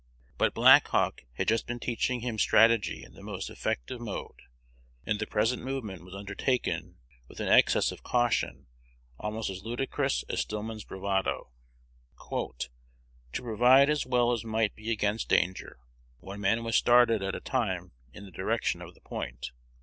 But Black Hawk had just been teaching him strategy in the most effective mode, and the present movement was undertaken with an excess of caution almost as ludicrous as Stillman's bravado. "To provide as well as might be against danger, one man was started at a time in the direction of the point.